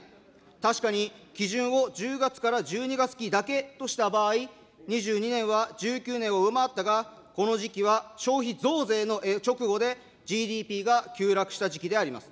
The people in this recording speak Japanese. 確かに、基準を１０月から１２月期だけとした場合、２２年は１９年を上回ったが、この時期は消費増税の直後で、ＧＤＰが急落した時期であります。